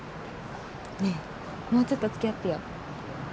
ねえもうちょっとつきあってよ。